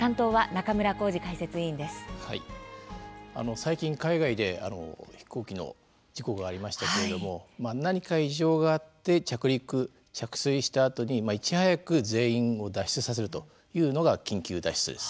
最近海外で飛行機の事故がありましたけれども何か異常があって着陸・着水したあとにいち早く全員を脱出させるというのが緊急脱出です。